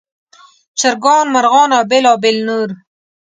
چرګان، مرغان او بېلابېل نور.